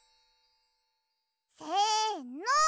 せの！